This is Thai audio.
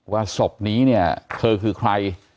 ศพนี้เนี่ยเธอคือใคร